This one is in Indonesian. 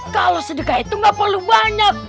kalau sedekah itu gak perlu banyak